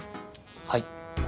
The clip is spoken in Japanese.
はい。